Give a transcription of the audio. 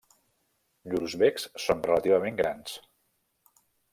Llurs becs són relativament grans.